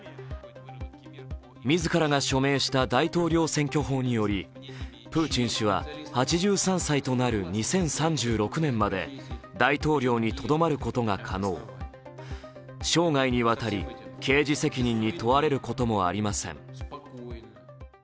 自らが署名した大統領選挙法によりプーチン氏は８３歳となる２０３６年まで大統領にとどまることが可能、生涯にわたり刑事責任に問われることもありません。